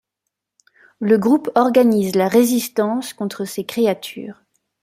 Le groupe organise la résistance contre ces créatures.